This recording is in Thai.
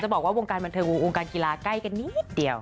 บอกว่าวงการบันเทิงวงการกีฬาใกล้กันนิดเดียว